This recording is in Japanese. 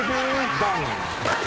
「バン！」